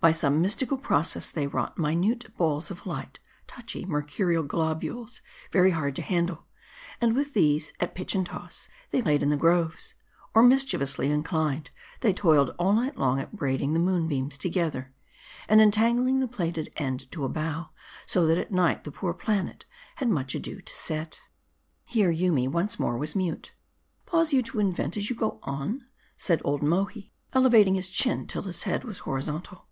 By some mys tical process they wrought minute balls pf light : touchy, mercurial globules, very hard to handle ; and with these, at pitch and toss, they played in the groves. "Or mischievously inclined, they toiled all night long at braiding the moon beams together, and entangling the plaited end to a bough ; so that at night, the poor planet had much ado to set. " Here Yoomy once more was mute. " Pause you to invent as you go on ?" said old Mohi, elevating his chin, till his beard was horizontal.